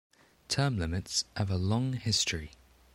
Term limits have a long history.